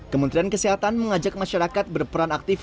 kementerian kesehatan mengajak masyarakat berperan aktif